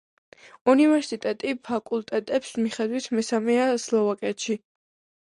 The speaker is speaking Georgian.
უნივერსიტეტი ფაკულტეტების მიხედვით მესამეა სლოვაკეთში.